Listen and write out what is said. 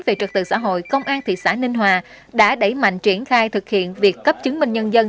về trật tự xã hội công an thị xã ninh hòa đã đẩy mạnh triển khai thực hiện việc cấp chứng minh nhân dân